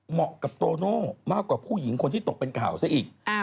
เหมาะกับโตโน่มากกว่าผู้หญิงคนที่ตกเป็นข่าวซะอีก